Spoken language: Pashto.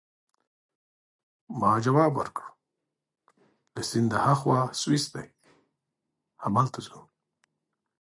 ما ځواب ورکړ: له سیند ورهاخوا سویس دی، همالته ځو.